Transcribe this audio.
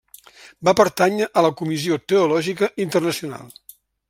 Va pertànyer a la Comissió Teològica Internacional.